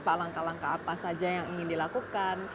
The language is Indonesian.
palangka langka apa saja yang ingin dilakukan